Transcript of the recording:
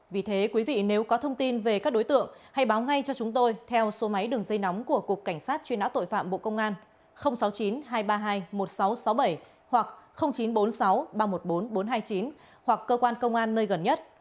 vì thế quý vị nếu có thông tin về các đối tượng hãy báo ngay cho chúng tôi theo số máy đường dây nóng của cục cảnh sát truy nã tội phạm bộ công an sáu mươi chín hai trăm ba mươi hai một nghìn sáu trăm sáu mươi bảy hoặc chín trăm bốn mươi sáu ba trăm một mươi bốn bốn trăm hai mươi chín hoặc cơ quan công an nơi gần nhất